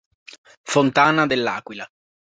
Fontana dell'Aquila